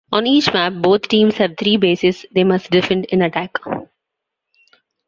On each map, both teams have three bases they must defend and attack.